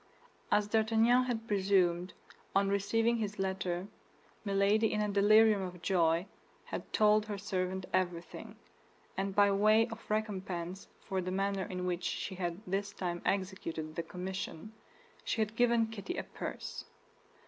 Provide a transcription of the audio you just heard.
As D'Artagnan had presumed, on receiving his letter, Milady in a delirium of joy had told her servant everything; and by way of recompense for the manner in which she had this time executed the commission, she had given Kitty a purse.